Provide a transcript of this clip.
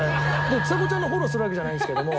ちさ子ちゃんのフォローするわけじゃないんですけども。